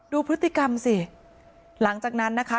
ดูพฤติกรรมสิหลังจากนั้นนะคะ